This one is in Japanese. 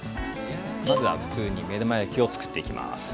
まずは普通に目玉焼きをつくっていきます。